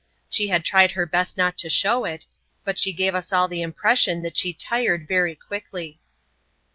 She had tried her best not to show it, but she gave us all the impression that she tired very quickly.